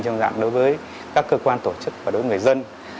trong dạng đối với các cơ quan tổ chức và đối với người dân